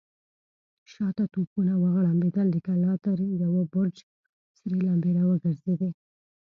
شاته توپونه وغړمبېدل، د کلا تر يوه برج سرې لمبې را وګرځېدې.